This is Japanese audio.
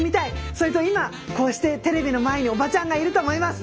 それと今こうしてテレビの前におばちゃんがいると思います！